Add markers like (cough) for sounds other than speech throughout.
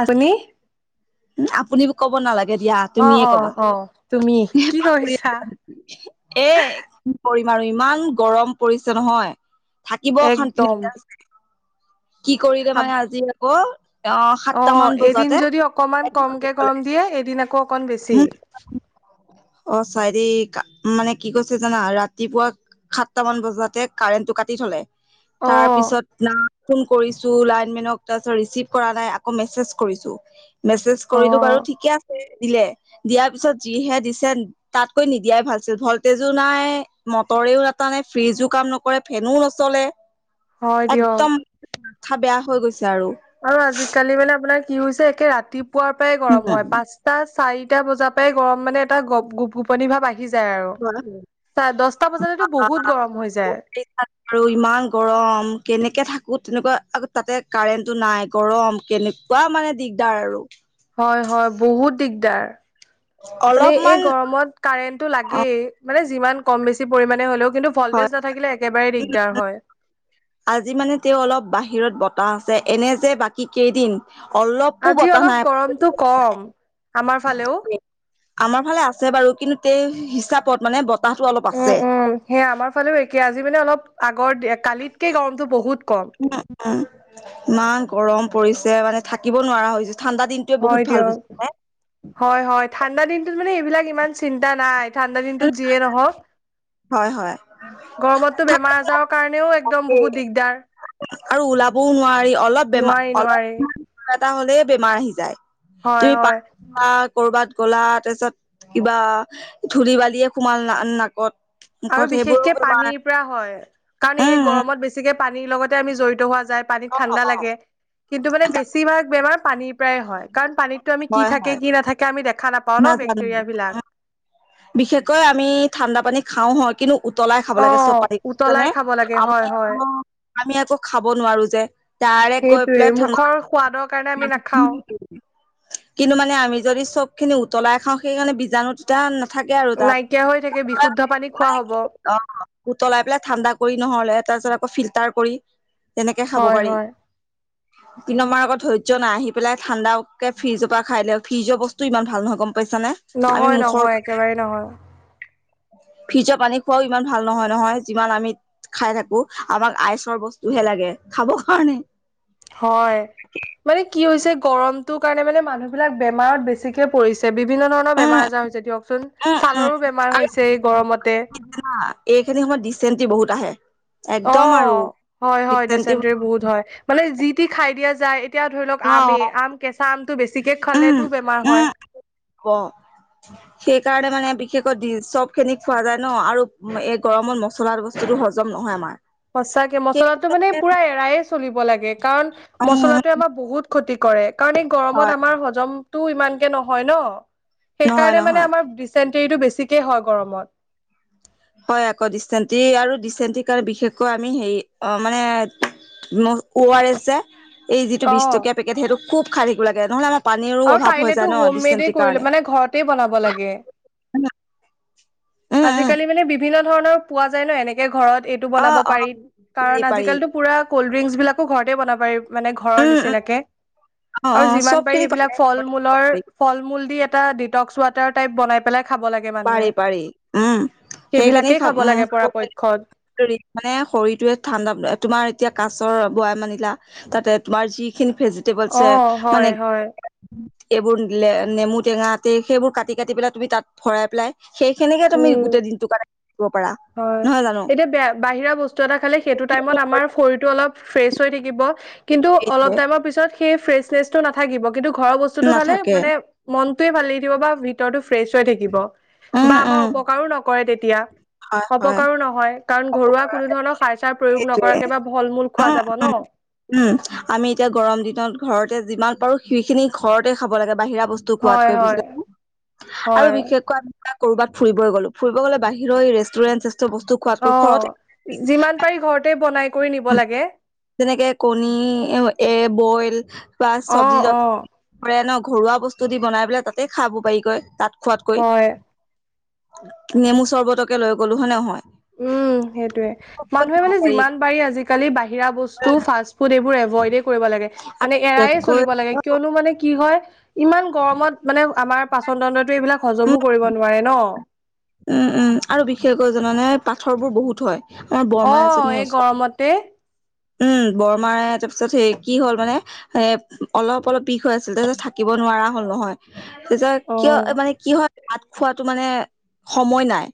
আজলি আপুনি মোক কব নালাগে দিয়া অ', তুমিয়ে অ', কবা অ', তুমি এ কি বাপৰে কৰিছা? এ কি কৰি বাৰু ইমান গৰম পৰিছে নহয় থাকিব অ শান্তি একদম লাগা হৈছে কি কৰিলে মানে আজি আকৌ অ সাতটা অহ মান এদিন বজাতে যদি অকমান কমকে গৰম দিয়ে এদিন আক ক অকণ বেছি অ চাইৰি মানে কি কৈছে জানা ৰাতিপুৱা সাতটা মান বজাতে কাৰেণ্টটো কাটি থলে তাৰ অ', পিছত ন ফোন কৰিছো লাইনমেনক তাৰছত ৰিচিভ কৰা নাই আকৌ মেছেজ কৰিছো মেছেজ কৰিলো বাৰু অ', ঠিকে আছে দিলে দিয়াৰ পিছত যিহে দিছে তাতকৈ নিদিয়াই ভালছিল ভল্টেজো নাই মটৰেও নাত কৰা নাই ফ্ৰিজো কাম নকৰে ফেনো নচলে হয় দিয়ক। একদম মাঠা বেয়া হৈ গৈছে আৰু আৰু আজিকালি মানে আপোনাৰ কি হৈছে একে ৰাতিপুৱাৰ পৰাই গৰম হয় পাঁচটা ছ চাৰিটা বজাৰ পৰাই গৰম মানে এটা গপ গোপ গোপনি ভাৱ আহি যায় আৰু দহটা বজালেতো বহুত গৰম হৈ যায়। আৰু ইমান গৰম কেনেকে থাক বহুত তেনেকুৱা আকৌ তাতে কাৰেণ্টটো নাই গৰম কেনেকুৱা মানে দিগদাৰ আৰু হয় হয় বহুত দিগদাৰ মানে এই অলপমান গৰমত কাৰেণ্টটো লাগেই মানে যিমান কম বেছি পৰিমণে হলেও কিন্তু ভল্টেজ হয় নাথাকিলে একেবাৰে দিগদাৰ হয়। আজি মানে তেওঁ অলপ বাহিৰত ব বতাহ আছে এনে যে বাকী কেইদিন অলপো আজি বতাহ অলপ নাই গৰমটো কম আমাৰ ফালেও আমাৰ ফালে আছে বাৰু কিন্তু তে হিচাপত মানে ব উম উম সেয়া আমাৰ ফালেও একে আজি মানে অলপ আগৰ কালিতকে গৰমটো বহুত কম। উম উম ইমান গৰম পৰিছে মানে থাকিব নোৱাৰা হৈছো ঠাণ্ডা দিনটোৱে বহুত হয় ভাল দিয়ক বুজি পাই। হয় হয় ঠাণ্ডা দিনটোত মানে এইবিলাক ইমান চিন্তা নাই ঠাণ্ডা দিনটোত যিয়ে নহওক হয় হয় গৰমতটো বেমাৰ আজাৰৰ কাৰণে তাকেই আৰু ওলাবও নোৱাৰি অলপ বেমাৰ নোৱাৰি নোৱাৰি অলপ কিবা এটা হ'লেই বেমাৰ আহি যায় হয় হয়। (unintelligible) কৰ'বাত গ'লা তাৰপিছত কিবা ধূলি বালিয়ে সোমাল না নাকত আৰু মুখত সেইবোৰো বিশেষকে বেমাৰ পানীৰ পৰা হয় কাৰণ এই উম উম গৰমত বেছিকে পানীৰ লগতে আমি জড়িত হোৱা যাৰ পানীত ঠাণ্ডা লাগে কিন্তু মানে বেছিভাগ বেমাৰ পানীৰ পৰাই হয় কাৰণ পানীতো আমি কি হয় হয় থাকে কি নাথাকে আমি দেখা নাপাওঁ ন নাজানো বেক্টেৰিয়া বিলাক বিশেষকৈ আমি ঠাণ্ডা পানী খাওঁ হয় কিন্তু উতলাই খাব অ'। লাগে চব পানী বুজিচানে উতলাই খাব লাগে আমি হয় আক হয় আমি আক খাব নোৱাৰো যে ডাৰেক গৈ সেইটোয়ে পেলাই ঠান মুখৰ সোৱাদৰ কাৰণে আমি নাখাওঁ। (unintelligible) কিন্তু মানে আমি যদি চব খিনি উতলাই খাওঁ, সেইকাৰণে বীজাণু তেতিয়া নাথাকে আৰু তাত। নাইকিয়া হৈ উ থাকে বিশুদ্ধ (unintelligible) পানী খোৱা মানে হ'ব অ উতলাই পেলাই ঠাণ্ডা কৰি নহলে তাৰপিছত আকৌ ফিল্টাৰ কৰি তেনেকে খাব হয় পাৰি হয়। কিন্তু আমাৰ আক ধৈৰ্য নাই আহি পেলাই ঠাণ্ডাক কে ফ্ৰিজৰ পৰা খাই লও ফ্ৰিজৰ বস্তুও ইমান ভাল নহয় গম পাইছা নে আমি নহয় মুখৰ নহয় কাৰণে একেবাৰে নহয়। (unintelligible) ফ্ৰিজৰ পানী খোৱাও ইমান ভাল নহয় নহয় যিমান আমি খাই থাকো আমাক আইচৰ বস্তু হে লাগে খাব কাৰণে হয় মানে কি কি হৈছে গৰমটোৰ কাৰণে মানে মানুহবিলাক বেমাৰত বেছিকে পৰিছে বিভ বিভিন্ন ধৰণৰ উম বেমাৰ আজাৰ হৈছে দিয়কচোন উম উম ছালৰো বেমাৰ আৰু হৈছে এই গৰমতে হা এইখিনি সময়ত দিচেণ্টি বহ অহ হয় হয় ডিচেণ্টি ডিচেণ্টেৰি বহুত হয় মানে যি টি খাই দিয়া যায় এতিয়া ধৰি লওঁক অ আমে আম কেঁচা আম উম উম ব সেইকাৰণে মানে বি বিশেষকৈ দি চবখিনি খোৱা যায় ন আৰু এই গৰমত মছলা বস্তুটো হজম নহয় আমাৰ সচাঁকে সেই মছলাটো মানে পুৰা এৰায়ে চলিব লাগে কাৰণ উম মছলাটোৱে আমাৰ বহুত ক্ষতি কৰে কাৰণ এই হয় গৰমত আমাৰ হজমটো ইমানকে নহয় ন নহয় সেইকাৰণে নহয় মানে আমাৰ ডিচেন্টেৰীটো বেছিকে হয় গৰমত হয় আকৌ দিচেন্টেৰী আৰু দিচেন্টেৰী কাৰণে বিশেষকৈ আমি হেৰি অ মানে অ আৰ এছ যে এই যিটো বিছ অ টকীয়া পেকেট সেইটো খুব খাই থাকিব লাগে নহলে আমাক পানীৰো আৰু অভাৱ হৈ পাৰিলেতো যায় হোম ন মেডে দিচেন্টি কৰিলে কাৰণে মানে ঘৰতে বনাব লাগে উম আজিকালি মানে বিভিন্ন ধৰণৰ পোৱা যায় ন এনেকে ঘৰত এইটো অ বনাব অ পাৰি পাৰি কাৰণ পাৰি আজিকালিতো পুৰা ক'ল্ড ড্ৰিংকছ বিলাকো ঘৰতে বনাব পাৰি। মানে ঘৰৰ উম উম নিচিনাকে অ অ আৰু চব যিমান খিনি পাৰি পাৰে এইবিলাক ফল মূলৰ ফল মূল দি এটা ডিটক্স ৱাটাৰ টাইপ বনাই পেলাই খাব লাগে পাৰি মানুহে। পাৰি উম সেইখিনি সেইবিলাকেই খাব উ লাগে খাব লাগে। পৰাপক্ষত হেৰিত মানে শৰীৰটোৱে ঠাণ্ডা তোমাৰ এতিয়া কাছৰ বঢ়াই মানিলা তাতে তোমাৰ যিখিনি ভেজিটবল অ আছে মানে হয় হয় এইবোৰ নেমু টেঙা সেইবোৰ কাটি কাটি পেলাই তুমি তাত ভৰাই পেলাই। সেইখিনিকে তুমি উম গোটেই দিনটো কৰাই। হয় এতিয়া বাহিৰ বস্তু এটা খলে হেটো টাইমত আমাৰ শৰীৰৰটো অলপ ফেইছ থৈ থাকিব কিন্তু সেইটোৱে অলপ তাইম পিছত সেই ফ্ৰছে নেছ নাথাকিব। কিন্তু ঘৰৰ বস্তুতটো খালে নাথাকে মানে মনটোয়ে ভাল লি থাকিব বা ভিতৰতো ফ্ৰেছ হৈ থাকিব উম বা আমাৰ উম অপকাৰো নকৰে তেতিয়া। হয় হয় অপকাৰো নহয়, কাৰণ ঘৰুৱা কোনো ধৰণৰ সাৰ চাৰ প্ৰয়োগ সেইটোৱে নকৰাকে বা ফল মূল খোৱা উম যাব উম ন। উম আমি এতিয়া গৰম দিনত ঘৰতে যিমান পাৰোঁ। সেইখিনি ঘৰতে খাব লাগে বাহিৰা বস্তু হয় খোৱাতকৈ হয় বুজি আৰু হয় বিশেষকৈ আমি কৰবাত ফুৰিব গলোঁ ফুৰিব গ'লে বাহিৰৰ ৰেষ্টুৰেণ্ট চেষ্টুৰেন্ট অ যিমান পাৰি ঘৰতে বনাই কৰি নিব লাগে। যেনেকে কণী এ বইল বা অ চব্জি অ জব্জি কৰে নক ঘৰুৱা বস্তু দি বনাই পেলাই তাতে খাব পাৰি কৈ তাত। খোৱাতকৈ হয়। নেমু চৰ্বতকে লৈ গলো হয় নে নহয়। উম সেইটোয়ে মানুহে মানে যিমান পাৰি আজিকালি বাহিৰা বস্তু ফাষ্ট ফুড এইবোৰ ভইডে কৰিব লাগে আৰু মানে এৰায়ে বিশেষকৈ চলিব লাগে কিয়নো মানে কি হয়, ইমান গৰমত মানে আমাৰ পাচনদণ্ডটোৱে এইবিলাক উম হজমো কৰিব নোৱাৰে ন। উম উম আৰু বিশেষকৈ জানানে পাথৰবোৰ বহুত হয় আমাৰ অ বৰমা এজনীৰ এই ওচৰ- গৰমতে উম। বৰমায়ে তাৰপিছত সেই কি হ'ল মানে এ অলপ অলপ বিষ হৈ আছিল। তাৰপিছত থাকিব নোৱাৰা হ'ল। নহয় তেতিয়া অ কিয় হয় মানে কি হয় ভাত খোৱাটো মানে সময় নাই।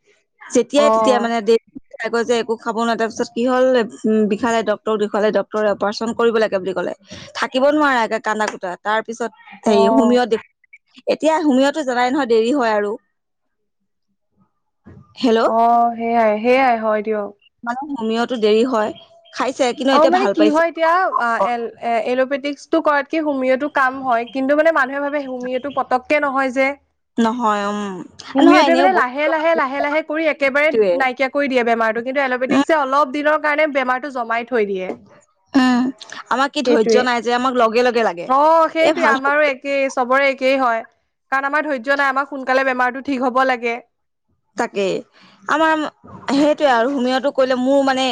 যেতিয়াই অ তেতিয়া মানে দে (unintelligible) একো খাব নোৱাৰ। তাৰপিছত কি হ'ল উ বিষালে দক ডক্টৰক দেখোৱালে ডক্টৰে অপাৰেচন কৰিব লগে বুলি কলে থাকিব নোৱাৰে কান্দা কোতাত তাৰ পিছত অ সেই হুমি দেখ- এতিয়া হুমিতো জাই নহয় দেৰি হয় আৰু। হেল্ল' অ সেইয়াই সেইয়াই হয় দিয়ক। তম সমিয়তো দেৰি হয়। খাইছে কিন্তু অ এতিয়া মানে ভাল কি পাইছে হয় এতিয়া এল এ এলোপেটিকস টো কৰাতকে হোমিঅ কাম হয় কিন্তু মানে মানুহে ভাবে হুমিয় এইটো পতককে নহয় যে। অম হুমিয়টে মানে লাহে লাহে লাহে লাহে কৰি একেবাৰে নাইকিয়া কৰি দিয়ে বেমাৰটো কিন্তু উম এল'বেটিকছে অলপ দিনৰ কাৰণে বেমাৰটো জমাই থৈ দিয়ে। উম আমাৰ কি ধৈৰ্য্য সেইটোৱে নাই যে আমাক লগে লগে লাগে অ এই সেইটোয়ে ভাল আমাৰো একেই চবৰে এক- একেই হয় কাৰণ আমাৰ ধৈৰ্য নাই আমাক সোনকালে বেমাৰটো ঠিক হ'ব লাগে। তাকেই আমাৰ সেইটোয়ে আৰু হুমিয়টো কৰিলে মোৰ মানে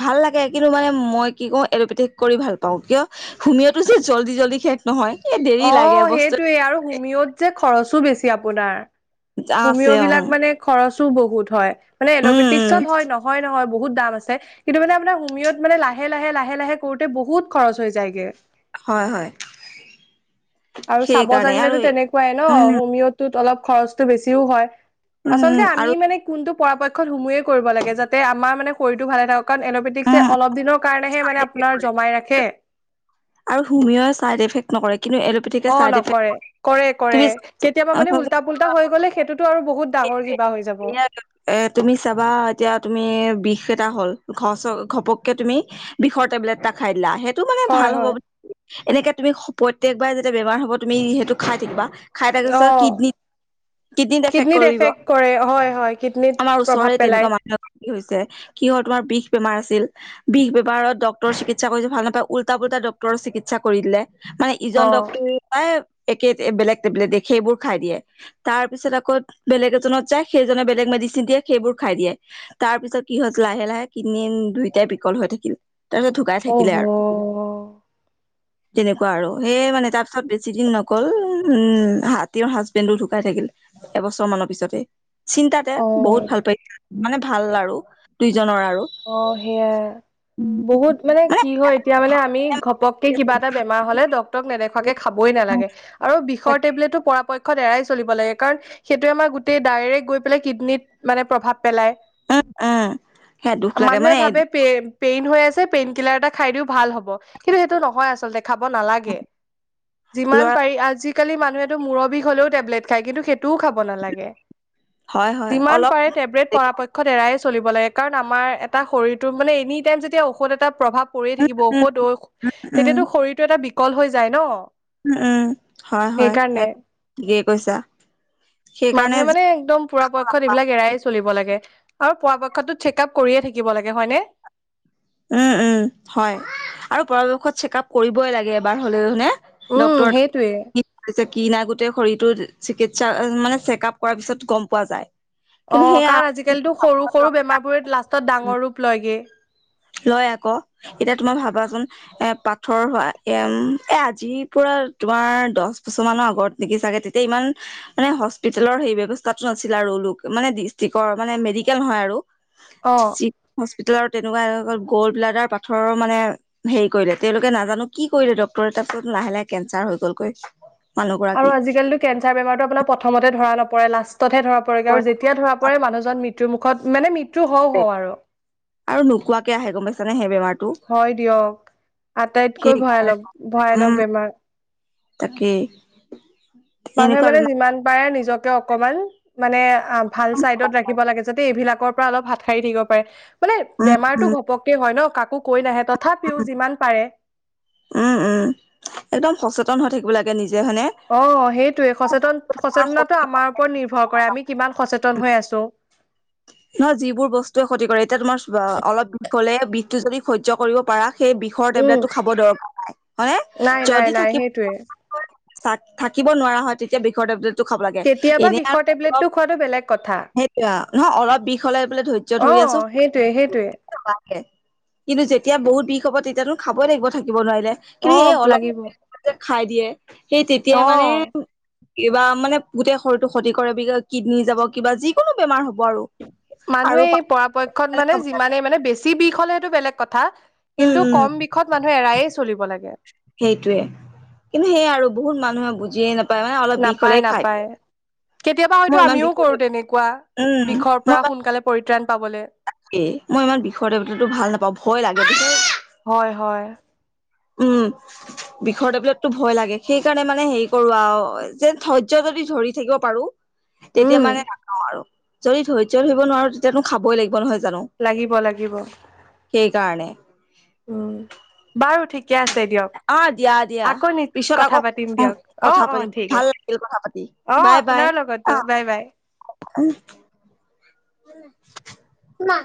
ভাল লাগে। কিন্তু মানে মই কি কওঁ এল'পেথিক কৰি ভাল পাওঁ, কিয় হুমিয়টো যে জল্দি জল্দি শেষ নহয়। এই দেৰি অ লাগে বস্তু সেইটোৱেই আৰু হুমিয়ত যে খৰচো বেছি আপোনাৰ হুমিয় আছে অ বিলাক মানে খৰচো বহুত হয় মানে উম উম এল'পেটিকছত হয়, নহয় নহয় বহুত দাম আছে কিন্তু মানে আপোনাৰ হুমিয়ত মানে লাহে লাহে লাহে লাহে কৰোতে বহুত খৰচ হৈ যায়গে। হয় হয় আৰু চাব সেইকাৰণে আৰু জানিলেতো তেনেকুৱাই ন উম হোমিয়ত টোত অলপ খৰচটো অলপ বেছিও হয়। উম উম আচলতে আমি আৰু মানে কোনটো পৰাপক্ষ সোমোৱে কৰিব লাগে যাতে আমাৰ মানে শৰীৰটো ভালে থাকক কাৰণ এন'বেটিকছ যে উম অলপ দিনৰ কাৰণেহে মানে আপোনাৰ জমাই ৰাখে। আৰু হুমিয়ই ছাইড ইফেক্ট নকৰে, কিন্তু এল'পেথিকে অ চাইড ইফেক্ট নকৰে কৰে। তুমি কৰে কেতিয়াবা মানে উল্টা পুল্টা হৈ গ'লে সেইটোতো আৰু বহুত ডাঙৰ কিবা (unintelligible) হৈ যাব তুমি চাবা এতিয়া তুমি বিষ এটা হ'ল। ঘচ ঘপককে তুমি বিষৰ টেবলেট এটা খাই দিলা। সে হয়, হয়। এনেকে তুমি প্ৰত্যেকবাৰে যেতিয়া বেমাৰ হ'ব তুমি সেইটো খাই থাকিবা। খাই অ তাকিছত কিডনীত, কিডনীত এফেক্ট কৰিব। কৰে হয় হয় কিডনীত আমাৰ প্ৰভাৱ ওচৰে পেলায় তেনেকুৱা (unintelligible) মানুহৰ হৈছে কিহৰ তোমাৰ বিষ বেমাৰ আছিল। বিষ বেপাৰত ডক্টৰৰ চিকিৎসা কৰিছে। ভাল নাপায়, উল্টা-পুল্টা ডক্টৰৰ চিকিৎসা কৰি দিলে। মানে ইজন অ ডক্তৰে পায় একে বেলেগ টেবলেট দিয়ে। সেইবোৰ খাই দিয়ে। তাৰ পিছত আকৌ বেলেগ এজনত যায়, সেইজনে বেলেগ ম মেডিচিন দিয়ে সেইবোৰ খাই দিয়ে। তাৰ পিছত কি হল লাহে লাহে কিডনী দুইটাই বিকল হৈ থাকিল। তাৰপিছত ঢুকাই থাকিলে অহ আৰু তেনেকুৱা আৰু সেয়ে মানে তাৰপিছত বেছি দিন নক অকল উম হাতীৰ হাজবেণ্ডটো ঢুকাই থাকিল এবছৰ মানৰ পিছতে। চিন্তাতে অ বহুত ভাল পাই মানে ভাল আৰু দুই অ সেয়াই। বহুত মানে কি হয় এতিয়া মানে আমি ঘপককে কিবা এটা বেমাৰ হলে ডক্তৰক নেদেখুৱাকে খাবই উম নালাগে আৰু বিষৰ টেবলেটো পৰা প পক্ষত এৰাই চলিব লাগে। কাৰণ সেইটোৱে আমাৰ গোটেই ডাইৰেক্ট গৈ পেলাই কিডনীত মানে প্ৰভাৱ পেলায়। উ, উ। মানুহে ভাবে পে পেইন হৈ আছে, পেইন কিলাৰ এটা খাই দিও ভাল হ'ব। কিন্তু সেইটো নহয় আচলতে। খাব নালাগে। যিমান ল'ৰা পাৰি আজি আজি-কালি মানুহেটো মূৰৰ বিষ হলেও টেবলেট খায়। কিন্তু সেইটোও খাব নালাগে। হয় হয় যিমান অলপ পাৰে টেব্ৰেট পৰাপক্ষত এৰাই চলিব লাগে কাৰণ আমাৰ এটা শৰীৰটোৰ মানে এনি টাইম যেতিয়া ঔষধ এটা প্ৰভাৱ পৰিয়ে থাকিব। উম ঔষধ ঔ উম তেতিয়াতো শৰীৰটো এটা বিকল হৈ যায় ন? উম উম হয় হয় সেইকাৰণে এক ঠিকেই কৈছা। সেইকাৰণে মানুহে মানে একদম পুৰাপক্ষত এইবিলাক এৰায়ে চলিব লাগে। আৰু পৰাপক্ষতটো চেক- আপ কৰিয়ে থাকিব লাগে, হয় নে? উ-উ হয় আৰু পৰাপক্ষত চেক আপ কৰিবই লাগে এবাৰ হ'লে হয় নে? উম ডক্তৰ সেইটোৱে কি হৈছে, কি না গোটেই শৰীৰটো চিকিৎসা মানে চেক আপ কৰাৰ পিছত গম পোৱা যায়। অ, কিন্তু সেয়া কাৰণ আজি-কালিতো সৰু সৰু বেমাৰবোৰে লাষ্টত ডাঙৰ ৰূপ লয়গে। লয় আকৌ। এতিয়া তোমাৰ ভাবাচোন এ পাথৰ হোৱা, এম এ আজিৰ পৰা যোৱাৰ দছ বছৰ মানৰ আগত নেকি চাগে। তেতিয়া ইমান মানে হস্পিতেলৰ সেই ব্যৱস্থাটো নাছিলে। (unintelligible) মানে দিচতিকৰ মানে মেডিকেল নহয় আৰু অ হস্পিটেলযৰ তেনেকোৱা গ'ল্ড ব্লাডাৰ পাথৰৰ মানে হেৰি ক। তেওঁলোকে নাজানো কি কৰিলে ডক্টৰে। তাৰ পিছত লাহে লাহে কে জাৰ হৈ গ'লগৈ। আৰু মানুহগৰাকী আজি-কালি কেঞ্চাৰ বেমাৰতো আপোনাৰ প্ৰথমতে ধৰা নপৰে। লাষ্ট ততহে ধৰা পৰেগৈ আৰু যেতিয়া ধৰা পৰে মানুহজন মৃত্যু মুখত মানে মৃত হে আৰু নোকোৱাকে আহে গম পাইছ হয় দিয়ক। আটাইতকৈ সেই ভয়ালক ভয়ানক উম বেমাৰ। তাকেই। মানুহে এনেকুৱা মানে বেমাৰ যিমান পাৰে নিজ নিজকে অকমান মানে ভাল উম চাইডত ৰাখিব লাগে, যাতে এইবিলাকৰ পৰা অলপ হাত সাৰি থাকিব পাৰে। মানে বেমাৰটো উম ঘপককে হয় ন। কাকো কৈ নাহে। তথাপিও উম যিমান পাৰে। উম উম একদম সচেতন হৈ থাকিব লাগে নিজে হয়নে অ, সেইটোৱে। সচেতন সচেতনাটো আমাৰ ওপৰত নিৰ্ভৰ কৰে আমি কিমান সচেতন হৈ আছো। তও নহয় যিবোৰ বস্তুৱে ক্ষতি কৰে এতিয়া তোমাৰ অলপ বিষ হ'লে বিষ টো যদি সহ্য কৰিব পাৰা সেই বিষৰ উম টেবলেট টো খাব দৰকাৰ নাই হয়নে নাই নাই যদি নাই থাকিব সেইটোৱে (unintelligible) থাকিব নোৱাৰা হয় তেতিয়া বিষৰ টেবলেট খাব লাগে কেতিয়াবা এনে বিষৰ আৰু অলপ টেবলেটটো খোৱাটো বেলেগ কথা। সেইটো নহয় অলপ বিষ হলে বোলে ধৈৰ্য্য অ ধৰি আছো সেইটোৱে সেইটোৱে (unintelligible) কিন্তু যেতিয়া বহুত বিষ হ'ব তেতিয়াতো খাবই লাগিব থাকিব থাকিব নোৱাৰিলে অ কিন্তু সেই অলপ লাগিব বিষ হলে খাই দিয়ে সেই তেতিয়াই মানে অ কিবা মানে গোটে শৰীৰটো ক্ষতি কৰে কিডনী যাব কিবা যিকোনো বেমাৰ হ'ব আৰু আৰু মানুহে পানী পৰাপক্ষত মানে খাব লাগে যিমানেই মানে বেছি বিষ হলে সেইটো বেলেগ কথা উম কিন্তু উম কম বিষত মানুহে এৰায়ে চলিব লাগে সেইটোয়ে কিন্তু সেয়া আৰু বহুত মানুহে বুজি নাপায় নাপায় কেতিয়াবা হয়তো মই ইমান আমিও বিষত কৰো তেনেকুৱা উম বিষৰ পৰা সোনকালে পৰিত্ৰাণ পাবলে এ মই ইমান বিষৰ টেবলেট টো ভাল নাপাওঁ ভয় লাগে হয় হয় উম বিষৰ টেবলেতটো ভয় লাগে সেইকাৰণে মানে হেৰি কৰো আৰু যেন ধৈৰ্য্য যদি ধৰি থাকিব পাৰো তেতিয়া উম মানে নাখাও আৰু যদি ধৈৰ্য্য ধৰিব নোৱাৰো তেতিয়ানো খাবই লাগিব নহয় জা লাগিব লাগিব তাৰনে উম বাৰু ঠিকে আছে অ দিয়া দিয়া দিয়ক আকৌ নি পিছত আকৌ কথা পাতিম দিয়ক অ কথা অ পাতিম ঠিক ভাল আছে অ লাগিল কথা পাতি আপোনাৰ আপোনাৰ লগতো বাই বাই উম মা